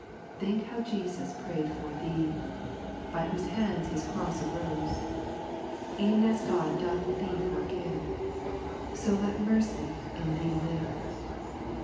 Think how Jesus prayed for those, By whose hands His cross arose. E'en as God doth thee forgive. So let mercy in thee live.